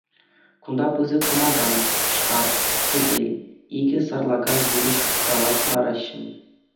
Кӳнта пысӑк кӑмака, шкап, сӗтел, икӗ сарлака йывӑҫ кравать лараҫҫӗ.